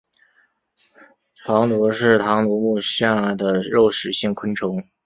螳䗛是螳䗛目下的肉食性昆虫。